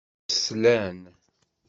Slan.